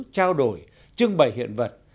trao đổi trưng bày hiện vật